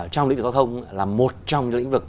trong lĩnh vực giao thông là một trong những lĩnh vực